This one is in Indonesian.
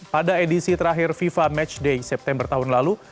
pada edisi terakhir fifa matchday september tahun lalu